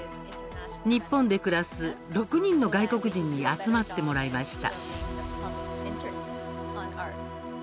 日本で暮らす６人の外国人に集まってもらいました。